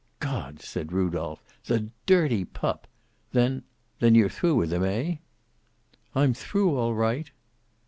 "God!" said Rudolph. "The dirty pup. Then then you're through with him, eh?" "I'm through, all right."